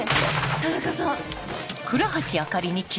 ⁉田中さん！